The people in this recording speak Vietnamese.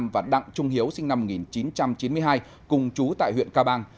và đặng trung hiếu sinh năm một nghìn chín trăm chín mươi hai cùng chú tại huyện ca bang